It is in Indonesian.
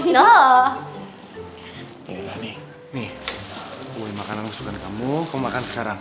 yalah nih nih gue makan yang suka kamu kamu makan sekarang